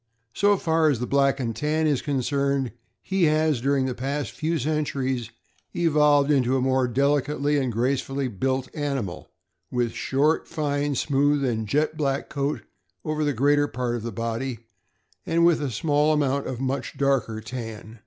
So far as the Black and Tan is concerned, he has, during the past few centuries, evoluted into a more delicately and gracefully built animal, with short, fine, smooth, and jet black coat over the greater part of the body, and with a small amount of much darker tan.